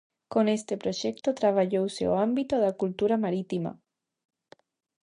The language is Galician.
Con este proxecto traballouse o ámbito da cultura marítima.